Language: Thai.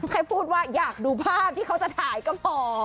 ให้พูดว่าอยากดูภาพที่เขาจะถ่ายก็พอ